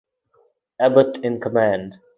Ebert in command.